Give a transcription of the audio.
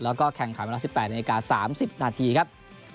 แล้วก็แข่งขันเวลา๑๘นาที๓๐นาทีครับ